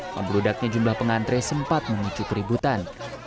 pembudaknya jumlah pengantre sempat menunjuk ributan